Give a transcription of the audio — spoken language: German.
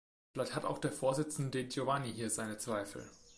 Vielleicht hat auch der Vorsitzende De Giovanni hier seine Zweifel.